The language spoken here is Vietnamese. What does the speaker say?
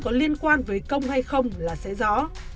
nếu tôi có liên quan với công hay không là sẽ rõ